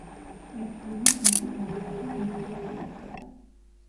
ერთ ღამეს ლუკი დათვრა და გართობა გადაწყვიტა.